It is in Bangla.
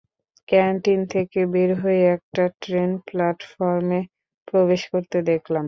ক্যান্টিন থেকে বের হয়ে একটা ট্রেন প্ল্যাটফর্মে প্রবেশ করতে দেখলাম।